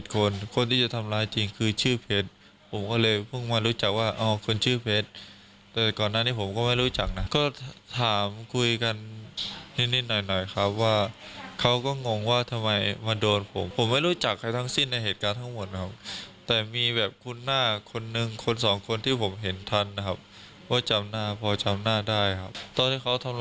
คนคนที่จะทำร้ายจริงคือชื่อเพชรผมก็เลยเพิ่งมารู้จักว่าเอาคนชื่อเพชรแต่ก่อนหน้านี้ผมก็ไม่รู้จักนะก็ถามคุยกันนิดนิดหน่อยหน่อยครับว่าเขาก็งงว่าทำไมมาโดนผมผมไม่รู้จักใครทั้งสิ้นในเหตุการณ์ทั้งหมดนะครับแต่มีแบบคุณหน้าคนนึงคนสองคนที่ผมเห็นทันนะครับเพราะจำหน้าพอจำหน้าได้ครับตอนที่เขาทำ